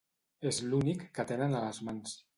És l’únic que tenen a les mans.